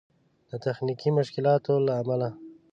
د تخنيکي مشکلاتو له امله